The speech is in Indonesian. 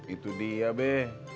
itu dia be